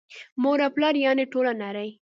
مور او پلار یعني ټوله نړۍ